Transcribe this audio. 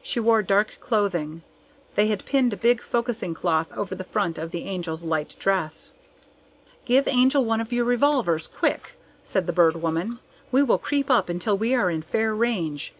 She wore dark clothing. They had pinned a big focusing cloth over the front of the Angel's light dress. "Give Angel one of your revolvers, quick!" said the Bird Woman. "We will creep up until we are in fair range.